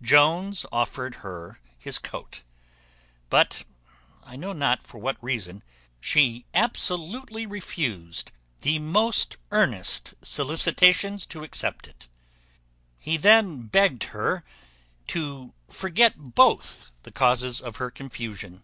Jones offered her his coat; but, I know not for what reason, she absolutely refused the most earnest solicitations to accept it. He then begged her to forget both the causes of her confusion.